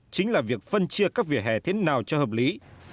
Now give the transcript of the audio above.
chính là việc phân chia các vỉa hè thế nào cho hợp lý